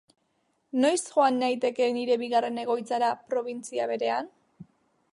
Noiz joan naiteke nire bigarren egoitzara probintzia berean?